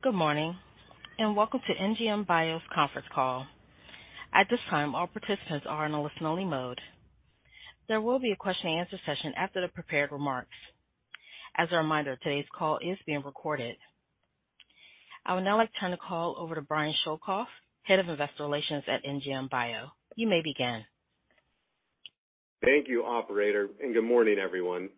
Good morning, and welcome to NGM Biopharmaceuticals's Conference Call. At this time, all participants are in a listen-only mode. There will be a question and answer session after the prepared remarks. As a reminder, today's call is being recorded. I would now like to turn the call over to Brian Schoelkopf, Head of Investor Relations at NGM Biopharmaceuticals. You may begin. Thank you, operator, and good morning, everyone. Thank you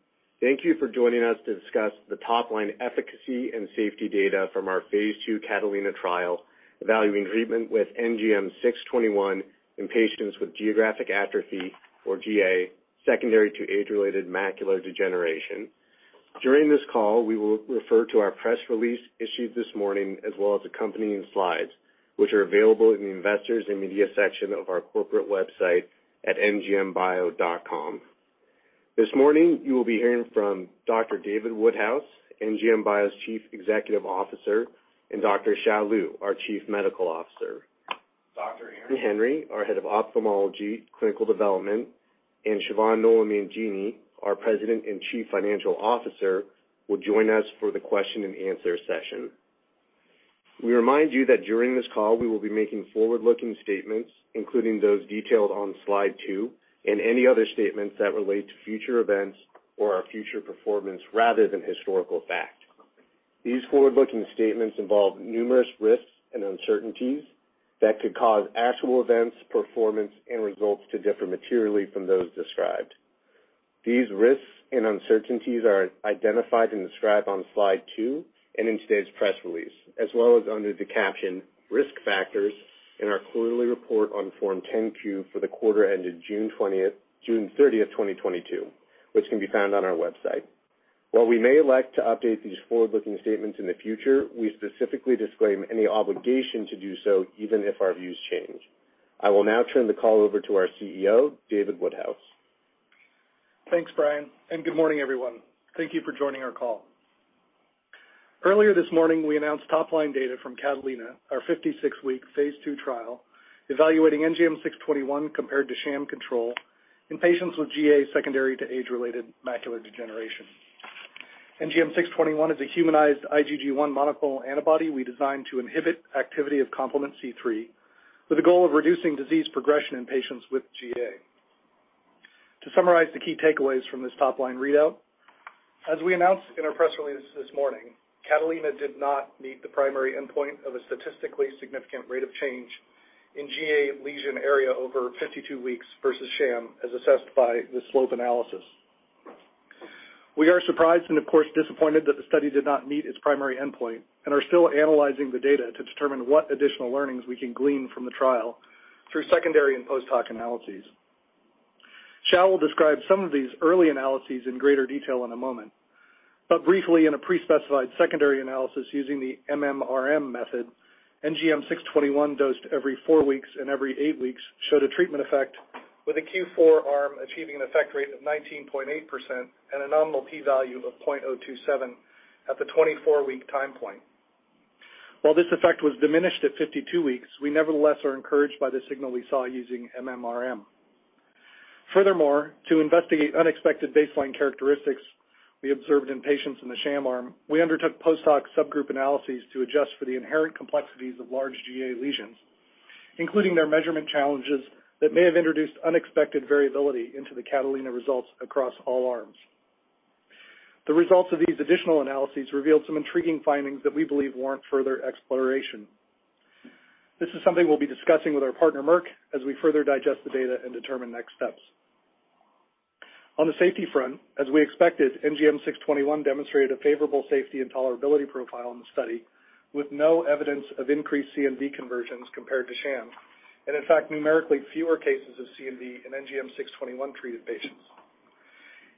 for joining us to discuss the top-line efficacy and safety data from our phase II CATALINA trial evaluating treatment with NGM621 in patients with geographic atrophy, or GA, secondary to age-related macular degeneration. During this call, we will refer to our press release issued this morning, as well as accompanying slides, which are available in the Investors and Media section of our corporate website at ngmbio.com. This morning, you will be hearing from Dr. David Woodhouse, NGM Bio's Chief Executive Officer, and Dr. Hsiao D. Lieu, our Chief Medical Officer. Dr. Erin Henry, our Head of Ophthalmology, Clinical Development, and Siobhan Nolan-Mangini, our President and Chief Financial Officer, will join us for the question and answer session. We remind you that during this call, we will be making forward-looking statements, including those detailed on slide two and any other statements that relate to future events or our future performance rather than historical fact. These forward-looking statements involve numerous risks and uncertainties that could cause actual events, performance, and results to differ materially from those described. These risks and uncertainties are identified and described on slide two and in today's press release, as well as under the caption Risk Factors in our quarterly report on Form 10-Q for the quarter ended June 30, 2022, which can be found on our website. While we may elect to update these forward-looking statements in the future, we specifically disclaim any obligation to do so, even if our views change. I will now turn the call over to our CEO, David Woodhouse. Thanks, Brian, and good morning, everyone. Thank you for joining our call. Earlier this morning, we announced top-line data from CATALINA, our 56-week phase II trial evaluating NGM621 compared to sham control in patients with GA secondary to age-related macular degeneration. NGM621 is a humanized IgG1 monoclonal antibody we designed to inhibit activity of complement C3 with the goal of reducing disease progression in patients with GA. To summarize the key takeaways from this top-line readout, as we announced in our press release this morning, CATALINA did not meet the primary endpoint of a statistically significant rate of change in GA lesion area over 52 weeks versus sham, as assessed by the slope analysis. We are surprised and, of course, disappointed that the study did not meet its primary endpoint and are still analyzing the data to determine what additional learnings we can glean from the trial through secondary and post-hoc analyses. Xiao will describe some of these early analyses in greater detail in a moment. Briefly, in a pre-specified secondary analysis using the MMRM method, NGM621 dosed every four weeks and every eight weeks showed a treatment effect with a Q4 arm achieving an effect rate of 19.8% and a nominal P value of 0.027 at the 24-week time point. While this effect was diminished at 52 weeks, we nevertheless are encouraged by the signal we saw using MMRM. Furthermore, to investigate unexpected baseline characteristics we observed in patients in the sham arm, we undertook post-hoc subgroup analyses to adjust for the inherent complexities of large GA lesions, including their measurement challenges that may have introduced unexpected variability into the CATALINA results across all arms. The results of these additional analyses revealed some intriguing findings that we believe warrant further exploration. This is something we'll be discussing with our partner, Merck, as we further digest the data and determine next steps. On the safety front, as we expected, NGM621 demonstrated a favorable safety and tolerability profile in the study with no evidence of increased CNV conversions compared to sham, and in fact, numerically fewer cases of CNV in NGM621 treated patients.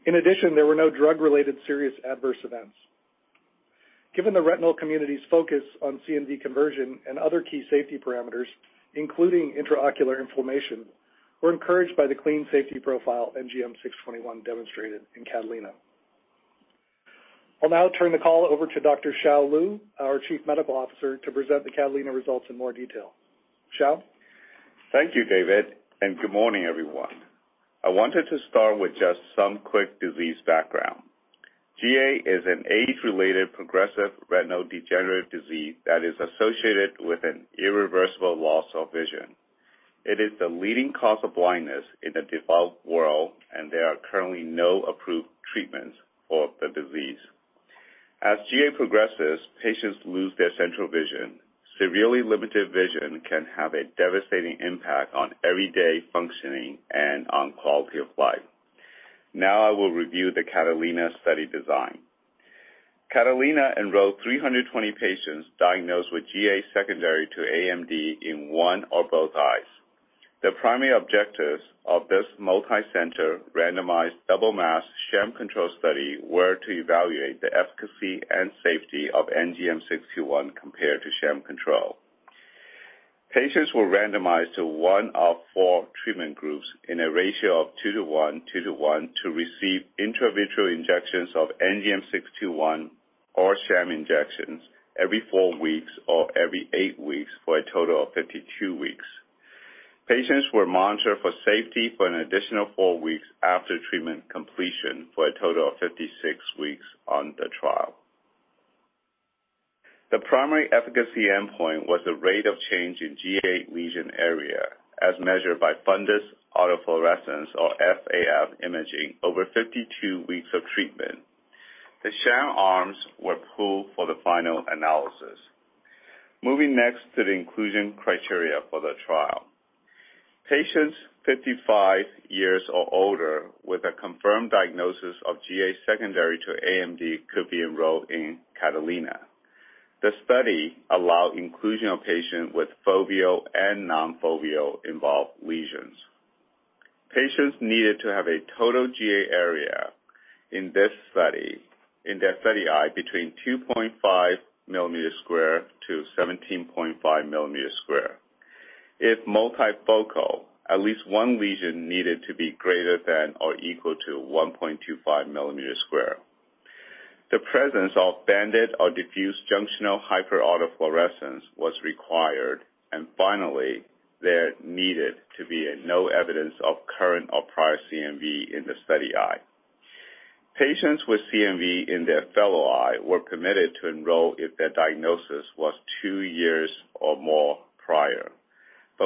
In addition, there were no drug-related serious adverse events. Given the retinal community's focus on CNV conversion and other key safety parameters, including intraocular inflammation, we're encouraged by the clean safety profile NGM621 demonstrated in CATALINA. I'll now turn the call over to Dr. Hsiao D. Lieu, our Chief Medical Officer, to present the CATALINA results in more detail. Hsiao? Thank you, David, and good morning, everyone. I wanted to start with just some quick disease background. GA is an age-related progressive retinal degenerative disease that is associated with an irreversible loss of vision. It is the leading cause of blindness in the developed world, and there are currently no approved treatments for the disease. As GA progresses, patients lose their central vision. Severely limited vision can have a devastating impact on everyday functioning and on quality of life. Now I will review the CATALINA study design. CATALINA enrolled 320 patients diagnosed with GA secondary to AMD in one or both eyes. The primary objectives of this multi-center randomized double-mask sham-controlled study were to evaluate the efficacy and safety of NGM621 compared to sham control. Patients were randomized to one of four treatment groups in a ratio of 2:1, to receive intravitreal injections of NGM621 or sham injections every four weeks or every eiqht weeks for a total of 52 weeks. Patients were monitored for safety for an additional four weeks after treatment completion for a total of 56 weeks on the trial. The primary efficacy endpoint was the rate of change in GA lesion area as measured by fundus autofluorescence or FAF imaging over 52 weeks of treatment. The sham arms were pooled for the final analysis. Moving next to the inclusion criteria for the trial. Patients 55 years or older with a confirmed diagnosis of GA secondary to AMD could be enrolled in CATALINA. The study allowed inclusion of patients with foveal and non-foveal involved lesions. Patients needed to have a total GA area in this study, in their study eye between 2.5 square millimeters-17.5 square millimeters. If multifocal, at least one lesion needed to be greater than or equal to 1.25 square millimeters. The presence of banded or diffuse junctional hyperautofluorescence was required and finally, there needed to be no evidence of current or prior CNV in the study eye. Patients with CNV in their fellow eye were permitted to enroll if their diagnosis was two years or more prior.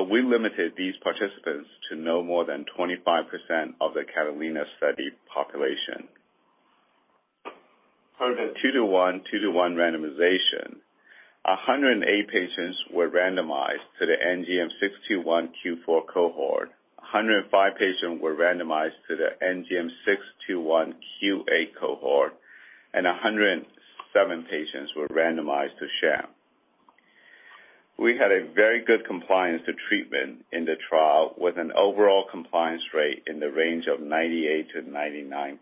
We limited these participants to no more than 25% of the CATALINA study population. Per the two-to-one, two-to-one randomization, 108 patients were randomized to the NGM621 Q4 cohort. 105 patients were randomized to the NGM621 Q8 cohort and 107 patients were randomized to sham. We had a very good compliance to treatment in the trial with an overall compliance rate in the range of 98%-99%.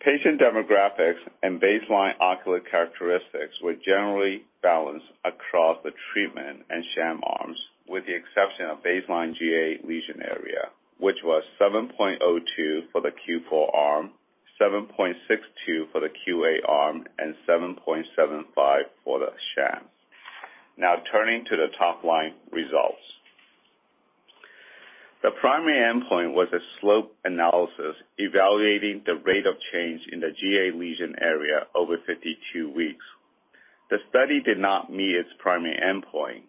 Patient demographics and baseline ocular characteristics were generally balanced across the treatment and sham arms, with the exception of baseline GA lesion area, which was 7.02 for the Q4 arm, 7.62 for the Q8 arm, and 7.75 for the sham. Now turning to the top line results. The primary endpoint was a slope analysis evaluating the rate of change in the GA lesion area over 52 weeks. The study did not meet its primary endpoint.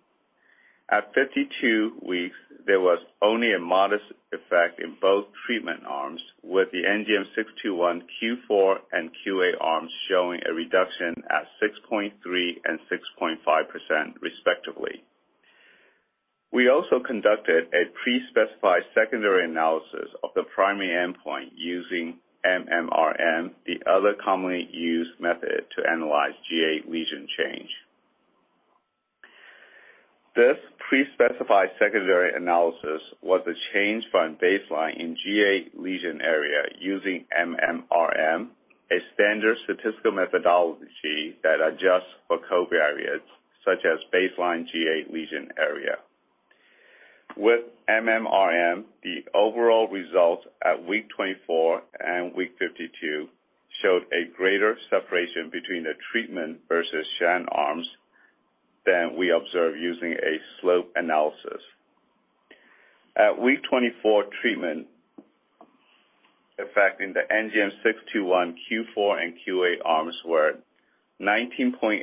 At 52 weeks, there was only a modest effect in both treatment arms with the NGM621 Q4 and Q8 arms showing a reduction at 6.3% and 6.5% respectively. We also conducted a pre-specified secondary analysis of the primary endpoint using MMRM, the other commonly used method to analyze GA lesion change. This pre-specified secondary analysis was a change from baseline in GA lesion area using MMRM, a standard statistical methodology that adjusts for covariates such as baseline GA lesion area. With MMRM, the overall results at week 24 and week 52 showed a greater separation between the treatment versus sham arms than we observed using a slope analysis. At week 24, treatment effect in the NGM621 Q4 and Q8 arms were 19.8%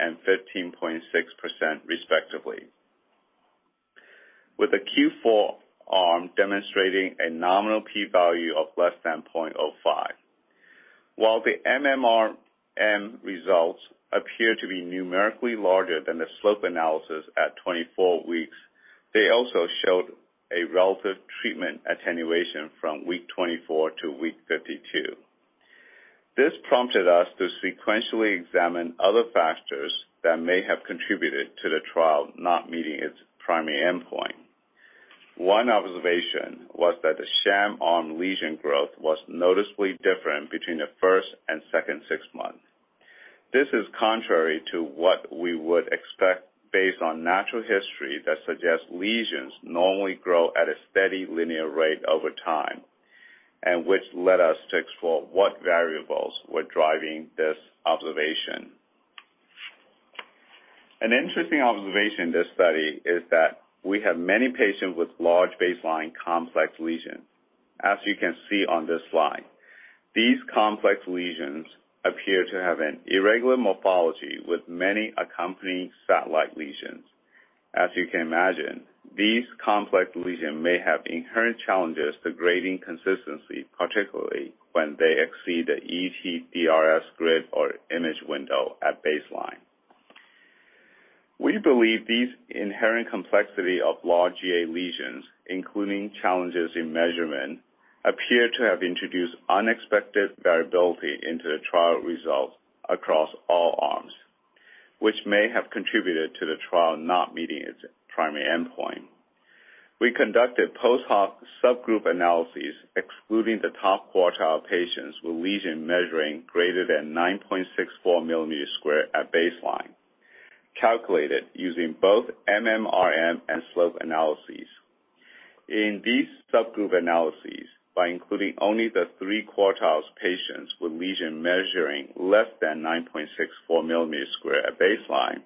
and 15.6% respectively, with the Q4 arm demonstrating a nominal P value of less than Research Associate $0.05. While the MMRM results appear to be numerically larger than the slope analysis at 24 weeks, they also showed a relative treatment attenuation from week 24 to week 52. This prompted us to sequentially examine other factors that may have contributed to the trial not meeting its primary endpoint. One observation was that the sham arm lesion growth was noticeably different between the first and second six months. This is contrary to what we would expect based on natural history that suggests lesions normally grow at a steady linear rate over time, and which led us to explore what variables were driving this observation. An interesting observation in this study is that we have many patients with large baseline complex lesions. As you can see on this slide, these complex lesions appear to have an irregular morphology with many accompanying satellite lesions. As you can imagine, these complex lesions may have inherent challenges to grading consistency, particularly when they exceed the ETDRS grid or image window at baseline. We believe these inherent complexity of large GA lesions, including challenges in measurement, appear to have introduced unexpected variability into the trial results across all arms, which may have contributed to the trial not meeting its primary endpoint. We conducted post-hoc subgroup analyses excluding the top quartile patients with lesion measuring greater than 9.64 square millimeters at baseline, calculated using both MMRM and slope analyses. In these subgroup analyses, by including only the three quartiles patients with lesion measuring less than 9.64 square millimeters at baseline,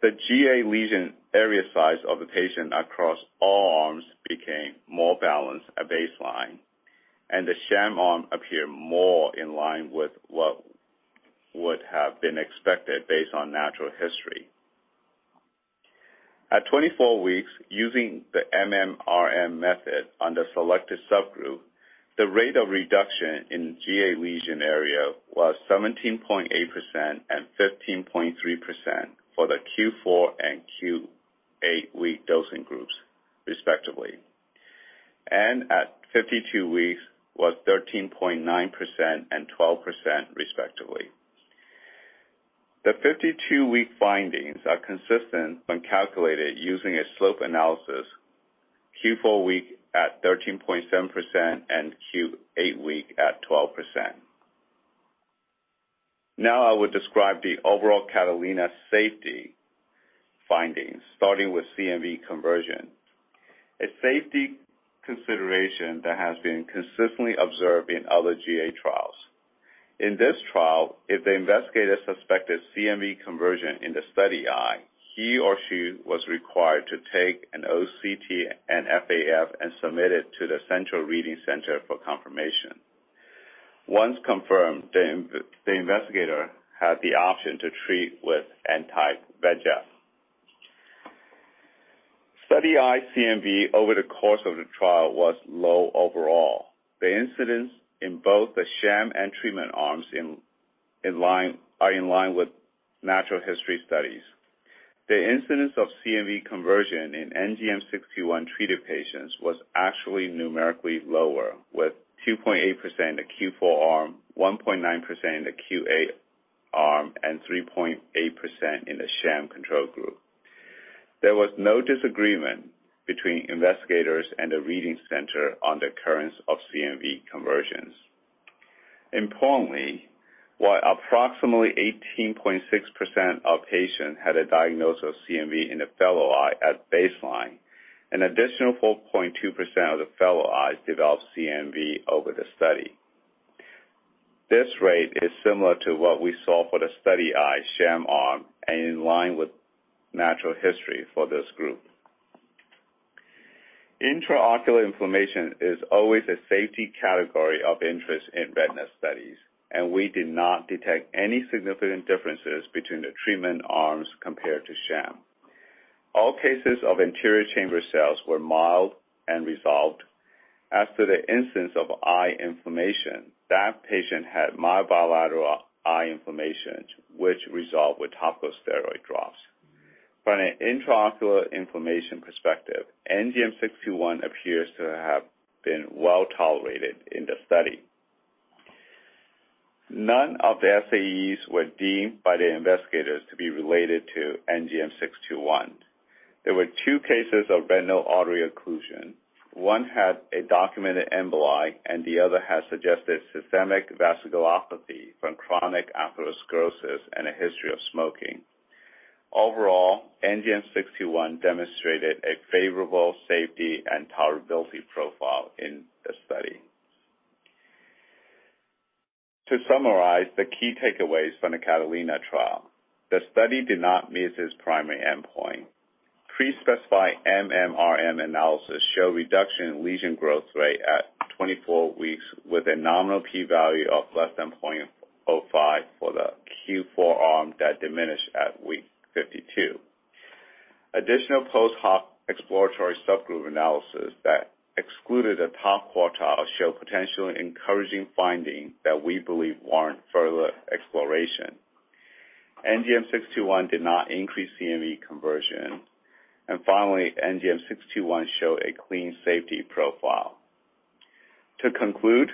the GA lesion area size of the patient across all arms became more balanced at baseline, and the sham arm appeared more in line with what would have been expected based on natural history. At 24 weeks, using the MMRM method on the selected subgroup, the rate of reduction in GA lesion area was 17.8% and 15.3% for the Q4 and Q8-week dosing groups, respectively, and at 52 weeks was 13.9% and 12% respectively. The 52-week findings are consistent when calculated using a slope analysis, Q4 week at 13.7% and Q8 week at 12%. Now I will describe the overall CATALINA safety findings, starting with CNV conversion, a safety consideration that has been consistently observed in other GA trials. In this trial, if the investigator suspected CNV conversion in the study eye, he or she was required to take an OCT and FAF and submit it to the central reading center for confirmation. Once confirmed, the investigator had the option to treat with anti-VEGF. Study eye CNV over the course of the trial was low overall. The incidence in both the sham and treatment arms are in line with natural history studies. The incidence of CNV conversion in NGM621 treated patients was actually numerically lower, with 2.8% in the Q4 arm, 1.9% in the Q8 arm, and 3.8% in the sham control group. There was no disagreement between investigators and the reading center on the occurrence of CNV conversions. Importantly, while approximately 18.6% of patients had a diagnosis of CNV in the fellow eye at baseline, an additional 4.2% of the fellow eyes developed CNV over the study. This rate is similar to what we saw for the study eye sham arm and in line with natural history for this group. Intraocular inflammation is always a safety category of interest in retina studies, and we did not detect any significant differences between the treatment arms compared to sham. All cases of anterior chamber cells were mild and resolved. As to the instance of eye inflammation, that patient had mild bilateral eye inflammation, which resolved with topical steroid drops. From an intraocular inflammation perspective, NGM621 appears to have been well-tolerated in the study. None of the SAEs were deemed by the investigators to be related to NGM621. There were two cases of retinal artery occlusion. One had a documented emboli, and the other had suggested systemic vasculopathy from chronic atherosclerosis and a history of smoking. Overall, NGM621 demonstrated a favorable safety and tolerability profile in the study. To summarize the key takeaways from the CATALINA trial, the study did not meet its primary endpoint. Pre-specified MMRM analysis showed reduction in lesion growth rate at 24 weeks with a nominal P value of less than 0.05 for the Q4 arm that diminished at week 52. Additional post-hoc exploratory subgroup analysis that excluded the top quartile showed potentially encouraging finding that we believe warrant further exploration. NGM621 did not increase CNV conversion. Finally, NGM621 showed a clean safety profile. To conclude,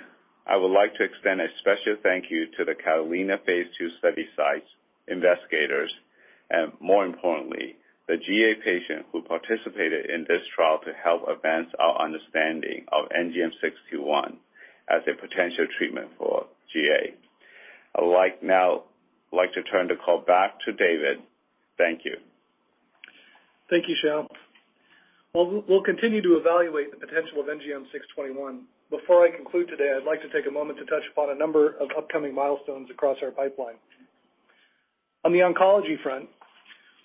I would like to extend a special thank you to the CATALINA phase II study sites, investigators, and more importantly, the GA patients who participated in this trial to help advance our understanding of NGM621 as a potential treatment for GA. I would like now to turn the call back to David. Thank you. Thank you, Hsiao. Well, we'll continue to evaluate the potential of NGM621. Before I conclude today, I'd like to take a moment to touch upon a number of upcoming milestones across our pipeline. On the oncology front,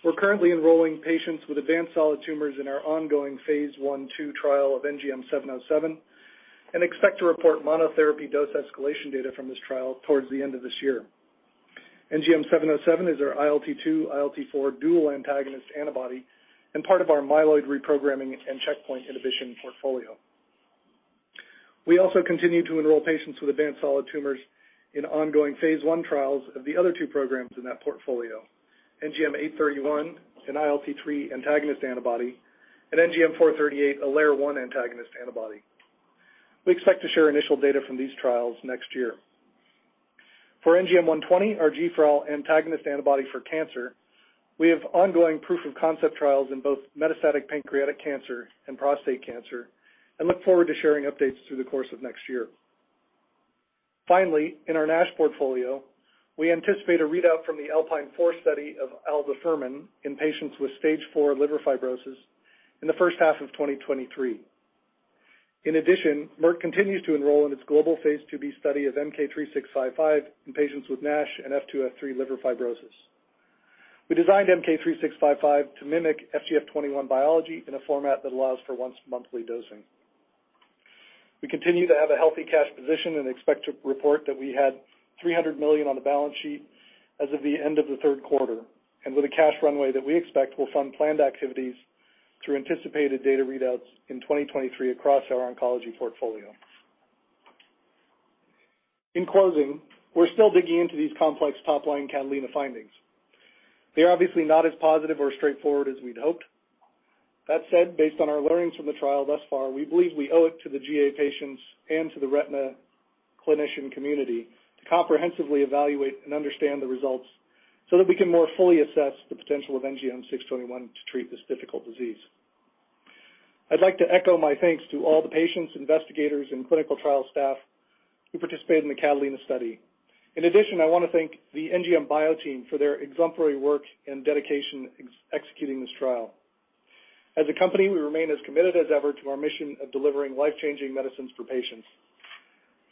we're currently enrolling patients with advanced solid tumors in our ongoing phase I/II trial of NGM707 and expect to report monotherapy dose escalation data from this trial towards the end of this year. NGM707 is our ILT2/ILT4 dual antagonist antibody and part of our myeloid reprogramming and checkpoint inhibition portfolio. We also continue to enroll patients with advanced solid tumors in ongoing phase I trials of the other two programs in that portfolio, NGM831, an ILT3 antagonist antibody, and NGM438, a LAIR-1 antagonist antibody. We expect to share initial data from these trials next year. For NGM120, our GFRAL antagonist antibody for cancer, we have ongoing proof-of-concept trials in both metastatic pancreatic cancer and prostate cancer and look forward to sharing updates through the course of next year. Finally, in our NASH portfolio, we anticipate a readout from the ALPINE 4 study of aldafermin in patients with stage four liver fibrosis in the first half of 2023. In addition, Merck continues to enroll in its global phase II-B study of MK-3655 in patients with NASH and F2-F3 liver fibrosis. We designed MK-3655 to mimic FGF21 biology in a format that allows for once monthly dosing. We continue to have a healthy cash position and expect to report that we had $300 million on the balance sheet as of the end of the third quarter, and with a cash runway that we expect will fund planned activities through anticipated data readouts in 2023 across our oncology portfolio. In closing, we're still digging into these complex top-line CATALINA findings. They're obviously not as positive or straightforward as we'd hoped. That said, based on our learnings from the trial thus far, we believe we owe it to the GA patients and to the retina clinician community to comprehensively evaluate and understand the results so that we can more fully assess the potential of NGM621 to treat this difficult disease. I'd like to echo my thanks to all the patients, investigators, and clinical trial staff who participated in the CATALINA study. In addition, I wanna thank the NGM Bio team for their exemplary work and dedication executing this trial. As a company, we remain as committed as ever to our mission of delivering life-changing medicines for patients.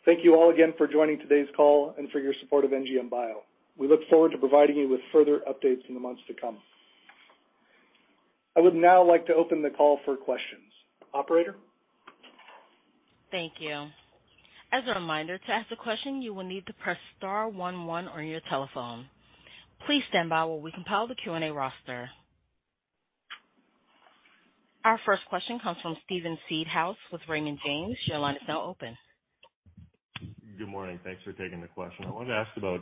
Thank you all again for joining today's call and for your support of NGM Bio. We look forward to providing you with further updates in the months to come. I would now like to open the call for questions. Operator? Thank you. As a reminder, to ask a question, you will need to press star one one on your telephone. Please stand by while we compile the Q&A roster. Our first question comes from Steven Seedhouse with Raymond James. Your line is now open. Good morning. Thanks for taking the question. I wanted to ask about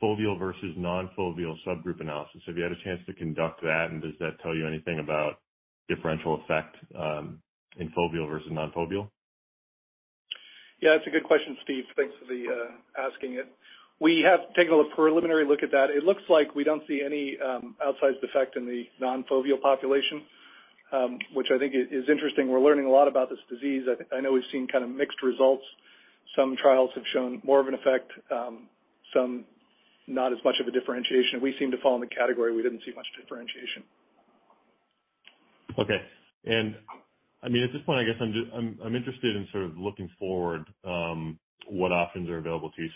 foveal versus non-foveal subgroup analysis. Have you had a chance to conduct that, and does that tell you anything about differential effect in foveal versus non-foveal? Yeah, that's a good question, Steven. Thanks for asking it. We have taken a preliminary look at that. It looks like we don't see any outsized effect in the non-foveal population, which I think is interesting. We're learning a lot about this disease. I know we've seen kind of mixed results. Some trials have shown more of an effect, some not as much of a differentiation. We seem to fall in the category we didn't see much differentiation. Okay. I mean, at this point, I guess I'm just interested in sort of looking forward, what options are available to you.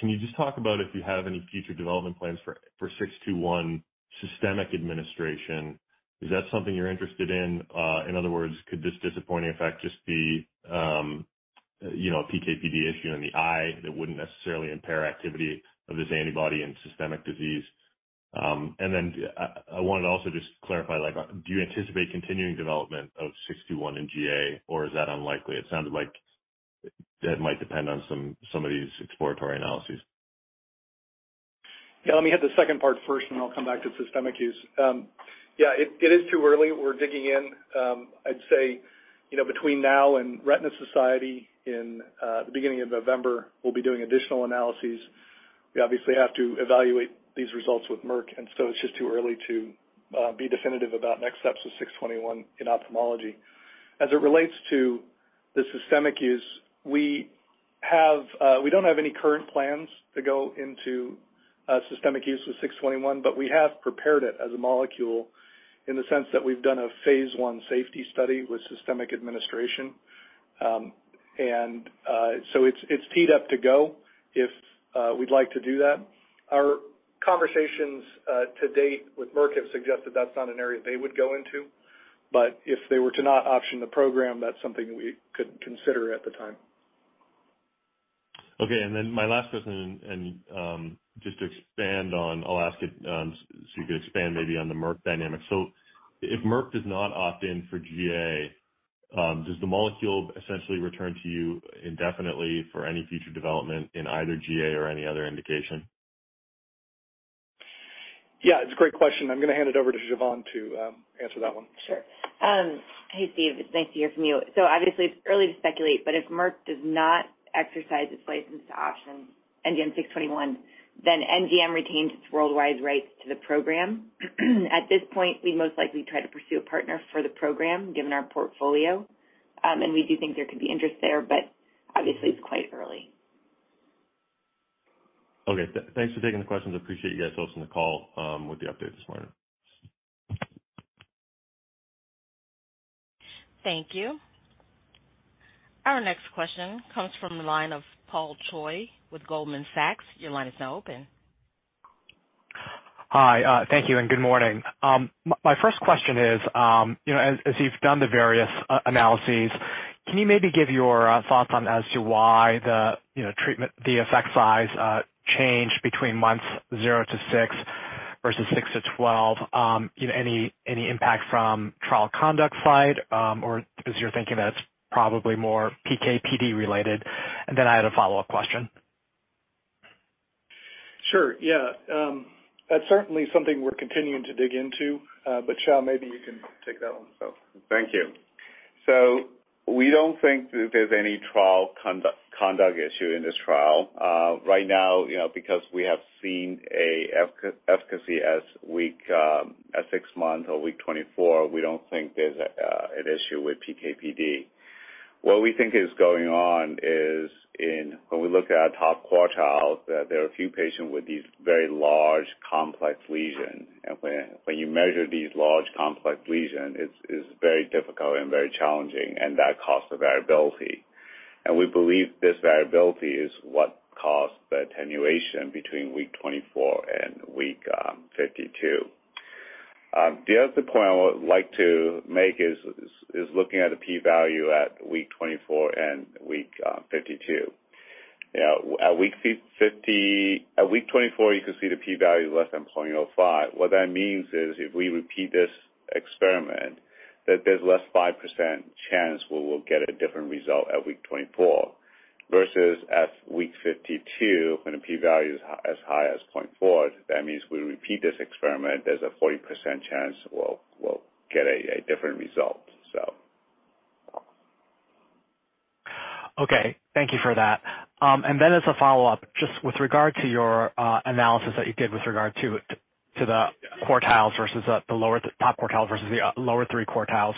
Can you just talk about if you have any future development plans for NGM621 systemic administration? Is that something you're interested in? In other words, could this disappointing effect just be, you know, a PK/PD issue in the eye that wouldn't necessarily impair activity of this antibody and systemic disease? And then I wanted to also just clarify, like, do you anticipate continuing development of NGM621 in GA or is that unlikely? It sounded like that might depend on some of these exploratory analyses. Yeah, let me hit the second part first, and then I'll come back to systemic use. Yeah, it is too early. We're digging in. I'd say, you know, between now and the Retina Society in the beginning of November, we'll be doing additional analyses. We obviously have to evaluate these results with Merck, and so it's just too early to be definitive about next steps of 621 in ophthalmology. As it relates to the systemic use, we don't have any current plans to go into systemic use with 621, but we have prepared it as a molecule in the sense that we've done a phase I safety study with systemic administration. It's teed up to go if we'd like to do that. Our conversations to date with Merck have suggested that's not an area they would go into. If they were to not option the program, that's something we could consider at the time. Okay. My last question just to expand on, I'll ask it so you could expand maybe on the Merck dynamic. If Merck does not opt in for GA, does the molecule essentially return to you indefinitely for any future development in either GA or any other indication? Yeah, it's a great question. I'm gonna hand it over to Siobhan to answer that one. Sure. Hey, Steve. It's nice to hear from you. Obviously it's early to speculate, but if Merck does not exercise its license to option NGM621, then NGM retains its worldwide rights to the program. At this point, we most likely try to pursue a partner for the program given our portfolio. We do think there could be interest there, but obviously it's quite early. Okay. Thanks for taking the questions. Appreciate you guys hosting the call, with the update this morning. Thank you. Our next question comes from the line of Paul Choi with Goldman Sachs. Your line is now open. Hi. Thank you and good morning. My first question is, you know, as you've done the various analyses, can you maybe give your thoughts on as to why the, you know, treatment, the effect size changed between months zero to six versus six to 12? You know, any impact from trial conduct side, or is your thinking that's probably more PK/PD related? I had a follow-up question. Sure. Yeah. That's certainly something we're continuing to dig into, but Hsiao, maybe you can take that one. Thank you. We don't think that there's any trial conduct issue in this trial. Right now, you know, because we have seen efficacy at week 24, we don't think there's an issue with PK/PD. What we think is going on is when we look at our top quartile, that there are a few patients with these very large complex lesion. When you measure these large complex lesion, it's very difficult and very challenging, and that causes the variability. We believe this variability is what caused the attenuation between week 24 and week 52. The other point I would like to make is looking at the p-value at week 24 and week 52. At week 24, you can see the p-value less than 0.05. What that means is if we repeat this experiment, that there's less 5% chance we will get a different result at week 24, versus at week 52, when a p-value is as high as 0.4, that means if we repeat this experiment, there's a 40% chance we'll get a different result. Okay. Thank you for that. As a follow-up, just with regard to your analysis that you did with regard to the quartiles versus the lower top quartiles versus the lower three quartiles,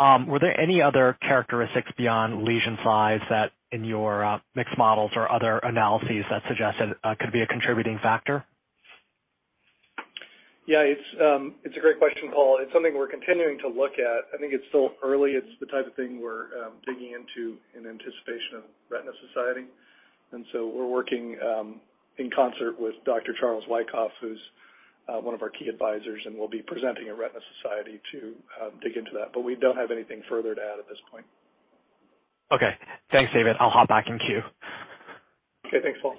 were there any other characteristics beyond lesion size that in your mixed models or other analyses that suggested could be a contributing factor? Yeah, it's a great question, Paul. It's something we're continuing to look at. I think it's still early. It's the type of thing we're digging into in anticipation of the Retina Society. We're working in concert with Dr. Charles Wyckoff, who's one of our key advisors, and we'll be presenting at the Retina Society to dig into that. We don't have anything further to add at this point. Okay. Thanks, David. I'll hop back in queue. Okay, thanks, Paul.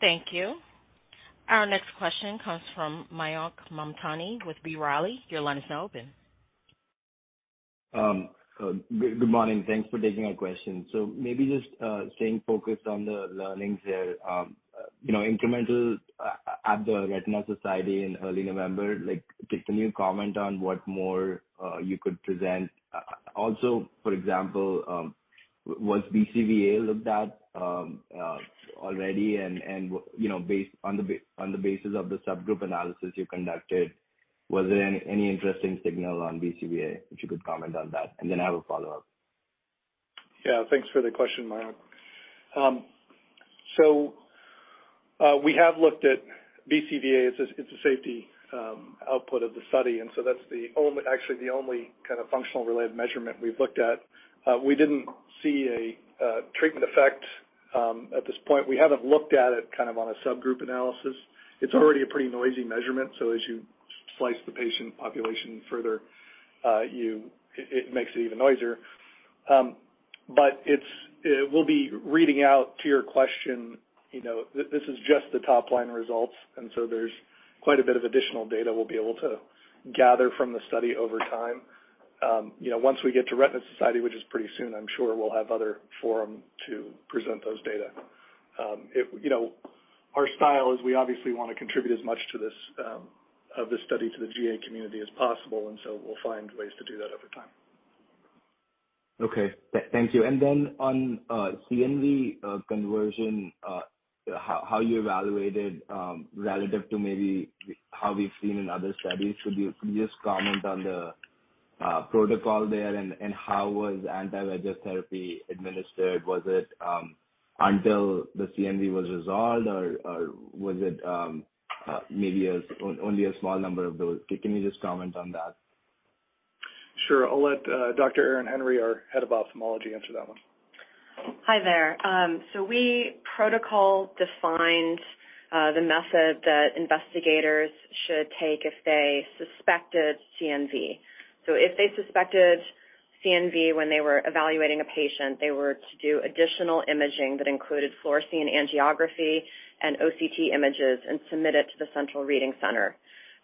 Thank you. Our next question comes from Mayank Mamtani with B. Riley. Your line is now open. Good morning. Thanks for taking my question. Maybe just staying focused on the learnings there, you know, incremental at the Retina Society in early November, like, can you comment on what more you could present? Also, for example, was BCVA looked at already and, you know, based on the basis of the subgroup analysis you conducted, was there any interesting signal on BCVA? If you could comment on that, and then I have a follow-up. Yeah. Thanks for the question, Mayank. We have looked at BCVA as it's a safety output of the study, and that's actually the only kind of functional related measurement we've looked at. We didn't see a treatment effect at this point. We haven't looked at it kind of on a subgroup analysis. It's already a pretty noisy measurement, so as you slice the patient population further, it makes it even noisier. It will be relating to your question, you know, this is just the top line results, and so there's quite a bit of additional data we'll be able to gather from the study over time. You know, once we get to The Retina Society, which is pretty soon, I'm sure we'll have other forums to present those data. You know, our style is we obviously wanna contribute as much to this study to the GA community as possible, and so we'll find ways to do that over time. Okay. Thank you. Then on CNV conversion, how you evaluated relative to maybe how we've seen in other studies. Could you just comment on the protocol there and how was anti-VEGF therapy administered? Was it until the CNV was resolved, or was it maybe as only a small number of those? Can you just comment on that? Sure. I'll let Dr. Erin Henry, our Head of Ophthalmology, answer that one. Hi there. The protocol defined the method that investigators should take if they suspected CNV. If they suspected CNV when they were evaluating a patient, they were to do additional imaging that included fluorescein angiography and OCT images and submit it to the central reading center.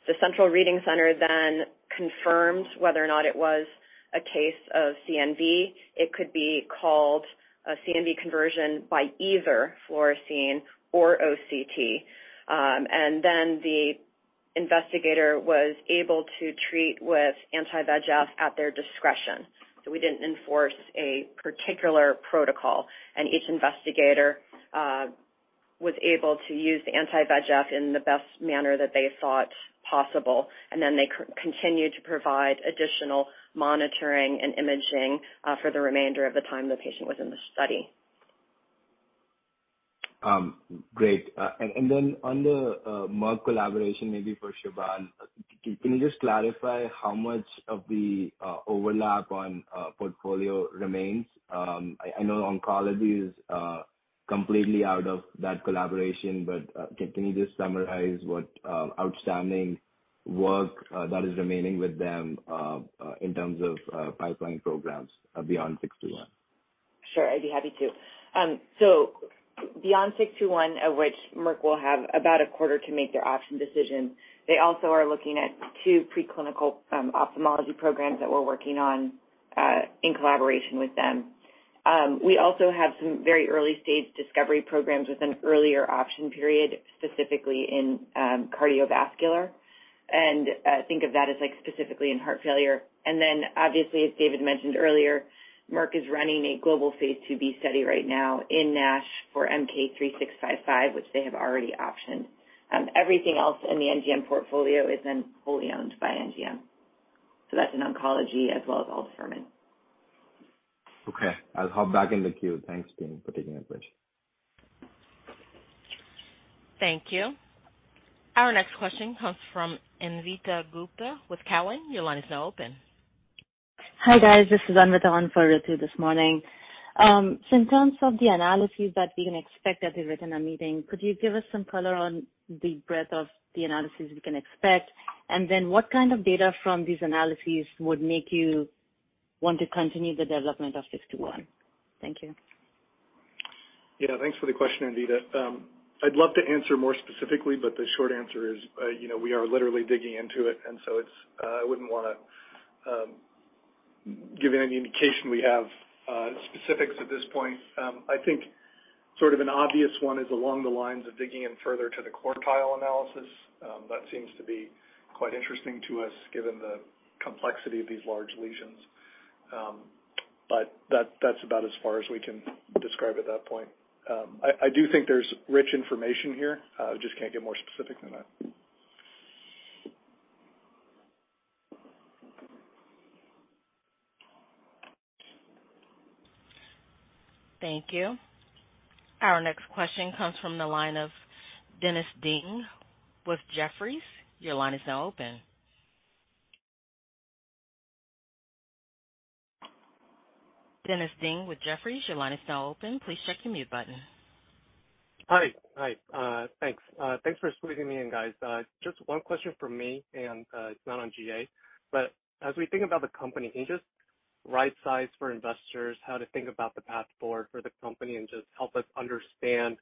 The central reading center then confirms whether or not it was a case of CNV. It could be called a CNV conversion by either fluorescein or OCT. The investigator was able to treat with anti-VEGF at their discretion. We didn't enforce a particular protocol, and each investigator was able to use the anti-VEGF in the best manner that they thought possible. They continued to provide additional monitoring and imaging for the remainder of the time the patient was in the study. Great. Then on the Merck collaboration, maybe for Siobhan, can you just clarify how much of the overlap on portfolio remains? I know oncology is completely out of that collaboration, but can you just summarize what outstanding work that is remaining with them in terms of pipeline programs beyond NGM621? Sure. I'd be happy to. Beyond NGM621, of which Merck will have about a quarter to make their option decision, they also are looking at two preclinical ophthalmology programs that we're working on in collaboration with them. We also have some very early-stage discovery programs with an earlier option period, specifically in cardiovascular. Think of that as like specifically in heart failure. Obviously, as David mentioned earlier, Merck is running a global phase II-B study right now in NASH for MK-3655, which they have already optioned. Everything else in the NGM portfolio is then wholly owned by NGM. That's in oncology as well as aldafermin. Okay. I'll hop back in the queue. Thanks, David, for taking my question. Thank you. Our next question comes from Anvita Gupta with Cowen. Your line is now open. Hi, guys. This is Anvita on for Ritu this morning. In terms of the analyses that we can expect at the Retina meeting, could you give us some color on the breadth of the analyses we can expect? Then what kind of data from these analyses would make you want to continue the development of 621? Thank you. Yeah. Thanks for the question, Anvita. I'd love to answer more specifically, but the short answer is, you know, we are literally digging into it, and so it's, I wouldn't wanna give any indication we have specifics at this point. I think sort of an obvious one is along the lines of digging in further to the quartile analysis. That seems to be quite interesting to us given the complexity of these large lesions. But that's about as far as we can describe at that point. I do think there's rich information here. Just can't get more specific than that. Thank you. Our next question comes from the line of Dennis Ding with Jefferies. Your line is now open. Dennis Ding with Jefferies, your line is now open. Please check your mute button. Hi. Thanks for squeezing me in, guys. Just one question from me, and it's not on GA. As we think about the company, can you just right size for investors how to think about the path forward for the company and just help us understand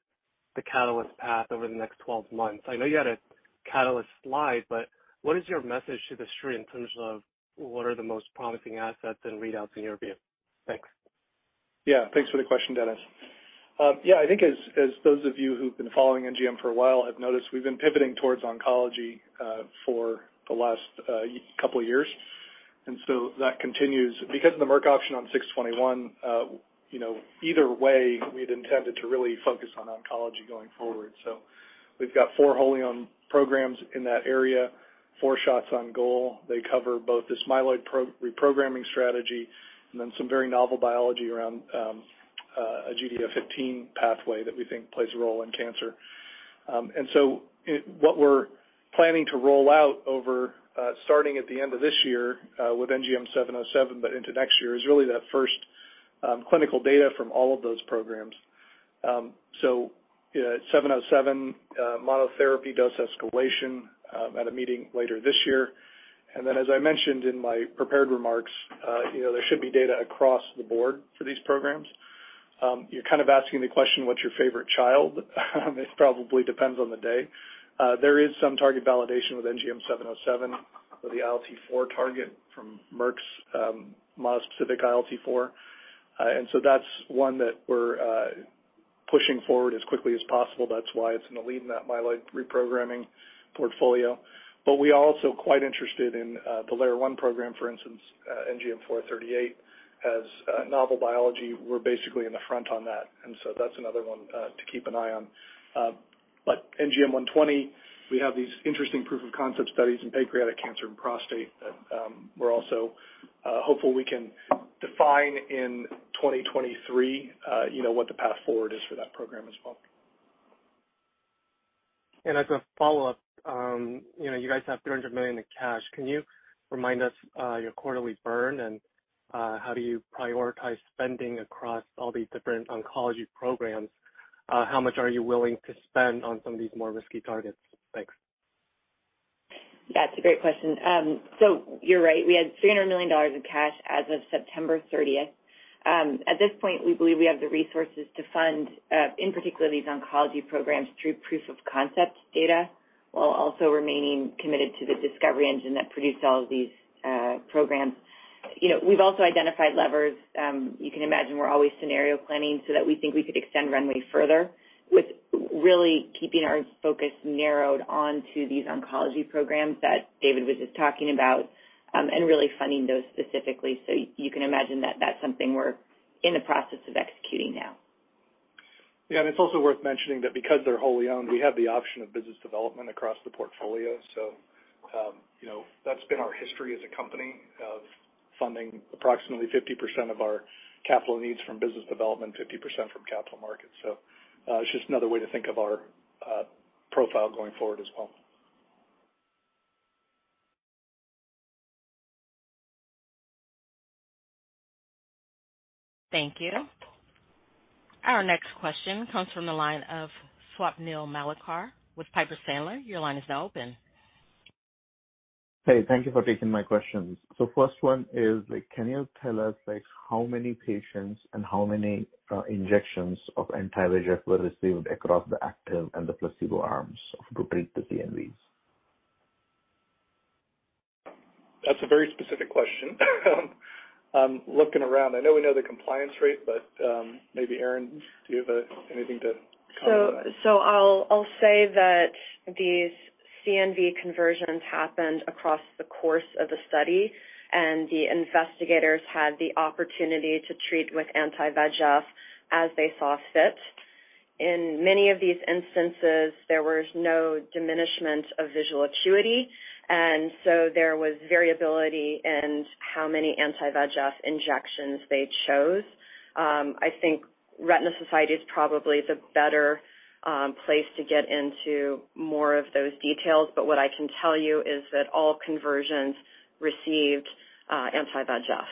the catalyst path over the next 12 months? I know you had a catalyst slide, but what is your message to the Street in terms of what are the most promising assets and readouts in your view? Thanks. Yeah. Thanks for the question, Dennis. Yeah, I think as those of you who've been following NGM for a while have noticed, we've been pivoting towards oncology for the last couple of years, and that continues. Because of the Merck option on NGM621, you know, either way, we'd intended to really focus on oncology going forward. We've got four wholly owned programs in that area, four shots on goal. They cover both this myeloid reprogramming strategy and then some very novel biology around a GDF15 pathway that we think plays a role in cancer. What we're planning to roll out, starting at the end of this year with NGM707 but into next year is really that first clinical data from all of those programs. 707 monotherapy dose escalation at a meeting later this year. As I mentioned in my prepared remarks, you know, there should be data across the board for these programs. You're kind of asking the question, what's your favorite child? It probably depends on the day. There is some target validation with NGM707 for the ILT4 target from Merck's MK-4830 to the anti-ILT4. That's one that we're pushing forward as quickly as possible. That's why it's in the lead in that myeloid reprogramming portfolio. We are also quite interested in the LAIR-1 program, for instance, NGM438. As novel biology, we're basically in the front on that, and so that's another one to keep an eye on. NGM120, we have these interesting proof of concept studies in pancreatic cancer and prostate that we're also hopeful we can define in 2023, you know, what the path forward is for that program as well. As a follow-up, you know, you guys have $300 million in cash. Can you remind us your quarterly burn, and how do you prioritize spending across all these different oncology programs? How much are you willing to spend on some of these more risky targets? Thanks. That's a great question. You're right. We had $300 million in cash as of September thirtieth. At this point, we believe we have the resources to fund in particular these oncology programs through proof of concept data while also remaining committed to the discovery engine that produced all of these programs. You know, we've also identified levers. You can imagine we're always scenario planning so that we think we could extend runway further with really keeping our focus narrowed onto these oncology programs that David was just talking about and really funding those specifically. You can imagine that that's something we're in the process of executing now. Yeah, it's also worth mentioning that because they're wholly owned, we have the option of business development across the portfolio. You know, that's been our history as a company of funding approximately 50% of our capital needs from business development, 50% from capital markets. It's just another way to think of our profile going forward as well. Thank you. Our next question comes from the line of Swapnil Malekar with Piper Sandler. Your line is now open. Hey. Thank you for taking my questions. First one is, like, can you tell us, like, how many patients and how many injections of anti-VEGF were received across the active and the placebo arms of to treat the CNVs? That's a very specific question. I'm looking around. I know we know the compliance rate, but, maybe, Erin, do you have anything to comment on that? I'll say that these CNV conversions happened across the course of the study, and the investigators had the opportunity to treat with anti-VEGF as they saw fit. In many of these instances, there was no diminishment of visual acuity, and so there was variability in how many anti-VEGF injections they chose. I think Retina Society is probably the better place to get into more of those details, but what I can tell you is that all conversions received anti-VEGF.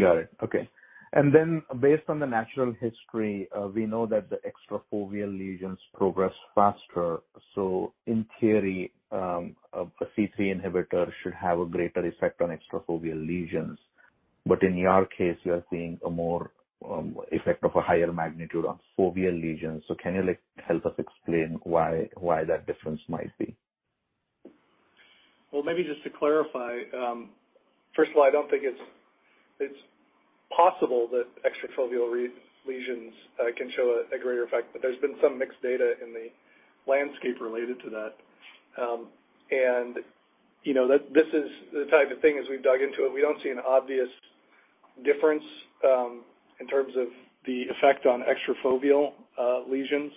Got it. Okay. Then based on the natural history, we know that the extrafoveal lesions progress faster. In theory, a C3 inhibitor should have a greater effect on extrafoveal lesions. In your case, you are seeing a more effect of a higher magnitude on foveal lesions. Can you like help us explain why that difference might be? Well, maybe just to clarify. First of all, I don't think it's possible that extrafoveal lesions can show a greater effect, but there's been some mixed data in the landscape related to that. You know, this is the type of thing as we've dug into it, we don't see an obvious difference in terms of the effect on extrafoveal lesions.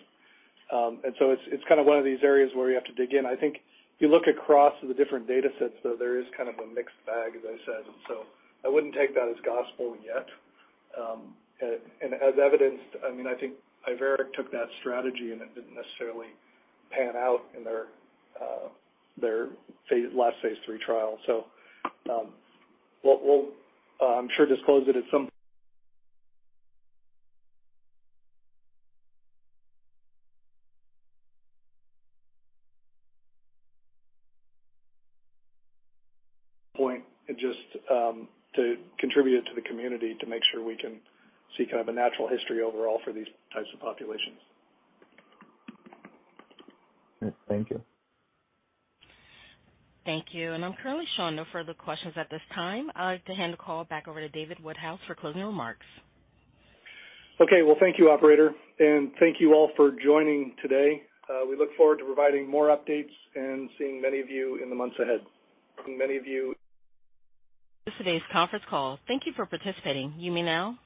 It's kinda one of these areas where we have to dig in. I think if you look across the different data sets, though, there is kind of a mixed bag, as I said. I wouldn't take that as gospel yet. As evidenced, I mean, I think Iveric Bio took that strategy, and it didn't necessarily pan out in their last phase III trial. We'll I'm sure disclose it at some point and just to contribute it to the community to make sure we can seek out the natural history overall for these types of populations. Thank you. Thank you. I'm currently showing no further questions at this time. I'd like to hand the call back over to David Woodhouse for closing remarks. Okay. Well, thank you, operator, and thank you all for joining today. We look forward to providing more updates and seeing many of you in the months ahead. Today's conference call. Thank you for participating. You may now disconnect.